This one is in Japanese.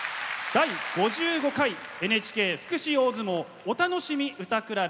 「第５５回ＮＨＫ福祉大相撲お楽しみ歌くらべ」。